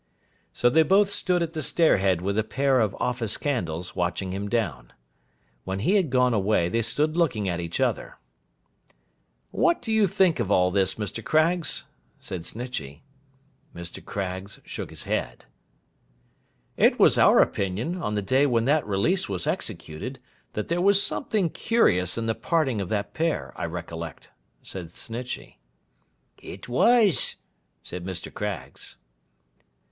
So they both stood at the stair head with a pair of office candles, watching him down. When he had gone away, they stood looking at each other. 'What do you think of all this, Mr. Craggs?' said Snitchey. Mr. Craggs shook his head. 'It was our opinion, on the day when that release was executed, that there was something curious in the parting of that pair; I recollect,' said Snitchey. 'It was,' said Mr. Craggs.